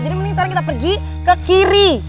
jadi mending sekarang kita pergi ke kiri